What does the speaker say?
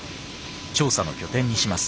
調査の拠点にします。